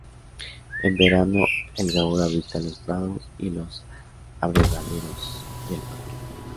En verano el gaur habita los prados y los abrevaderos del parque.